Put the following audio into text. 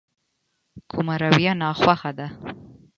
کومه رويه ناخوښه ده.